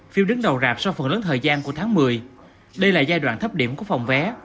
phim đứng đầu rạp sau phần lớn thời gian của tháng một mươi đây là giai đoạn thấp điểm của phòng vé